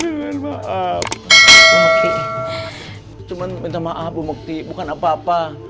bu mekti cuma minta maaf bu mekti bukan apa apa